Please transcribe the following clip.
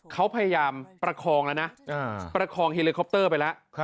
เขาพยายามประคองแล้วนะประคองเฮลิคอปเตอร์ไปแล้ว